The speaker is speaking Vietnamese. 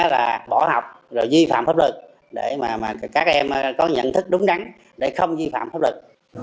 để không di phạm pháp luật